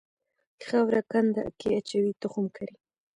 خاوره کنده کې اچوي تخم کري.